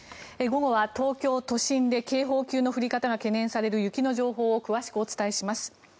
午後は東京都心で警報級の降り方が懸念される雪の情報を詳しくお伝えします。